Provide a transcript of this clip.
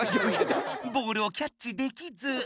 ボールをキャッチできず。